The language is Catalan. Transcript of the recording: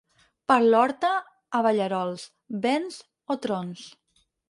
Per l'horta, abellerols, vents o trons.